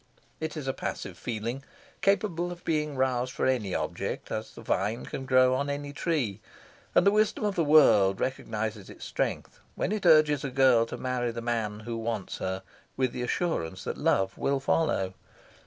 It is a passive feeling capable of being roused for any object, as the vine can grow on any tree; and the wisdom of the world recognises its strength when it urges a girl to marry the man who wants her with the assurance that love will follow.